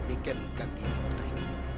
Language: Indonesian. iken ganti di putri